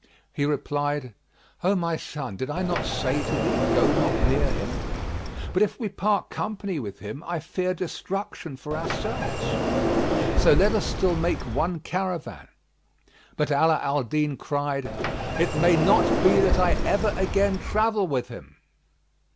He replied, "O my son, did I not say to thee, 'Go not near him'? But if we part company with him, I fear destruction for ourselves; so let us still make one caravan." But Ala al Din cried, "It may not be that I ever again travel with him."